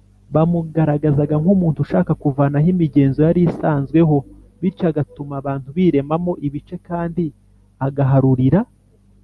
. Bamugaragazaga nk’umuntu ushaka kuvanaho imigenzo yari isanzweho, bityo agatuma abantu birema mo ibice kandi agaharurira